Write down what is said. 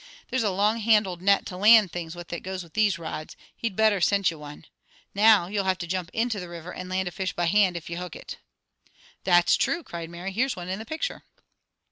There's a longhandled net to land things with that goes with those rods. He'd better sent ye one. Now you'll have to jump into the river and land a fish by hand if ye hook it." "That's true!" cried Mary. "Here's one in a picture."